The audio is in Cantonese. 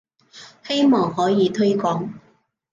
希望可以推廣